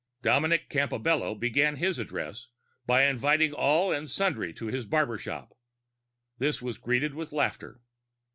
Dominic Campobello began his address by inviting all and sundry to his barber shop; this was greeted with laughter.